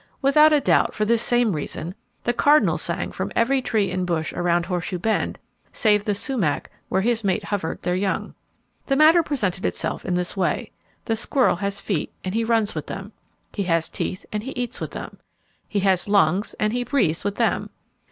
Without a doubt, for this same reason, the cardinal sang from every tree and bush around Horseshoe Bend, save the sumac where his mate hovered their young. The matter presented itself in this way. The squirrel has feet, and he runs with them. He has teeth, and he eats with them. He has lungs, and he breathes with them.